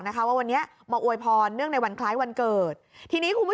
นะคะว่าวันนี้มาอวยพรเนื่องในวันคล้ายวันเกิดทีนี้คุณผู้ชม